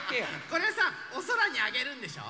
これをさおそらにあげるんでしょ？